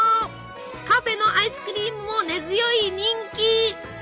カフェのアイスクリームも根強い人気！